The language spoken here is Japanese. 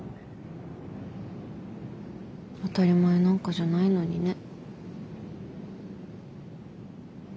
当たり前なんかじゃないのにね。